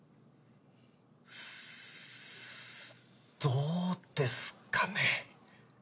どうですかね？